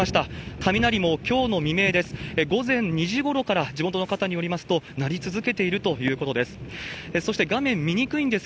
雷もきょうの未明です、午前２時ごろから、地元の方によりますと、鳴り続けているということです。